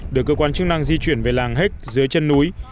được cơ quan chức năng di chuyển về làng héc dưới chân núi